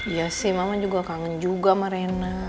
ya sih mama juga kangen juga sama rena